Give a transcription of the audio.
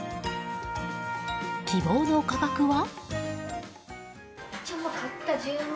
希望の価格は？